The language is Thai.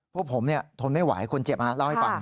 พวกผมเนี่ยทนไม่ไหวคนเจ็บมาเล่าให้ปัง